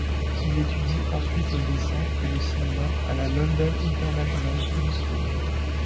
Il étudie ensuite le dessin et le cinéma à la London International Film School.